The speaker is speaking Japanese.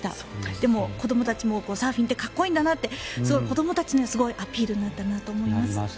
でも、子どもたちもサーフィンってかっこいいんだなと子どもたちにはすごいアピールになったなと思います。